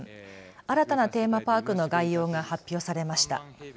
新たなテーマパークの概要が発表されました。